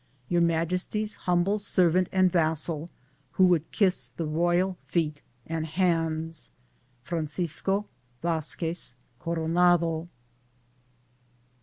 Your Majesty's humble servant and vassal, who would kiss the royal feet and hands: Fbahcisco Vazquez Coeonado.